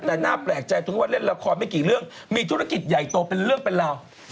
แต่น่าแปลกใจถึงว่าเล่นละครไม่กี่เรื่องมีธุรกิจใหญ่โตเป็นเรื่องเป็นราว